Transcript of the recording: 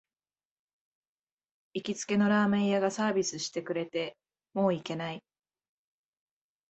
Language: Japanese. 行きつけのラーメン屋がサービスしてくれて、もう行けない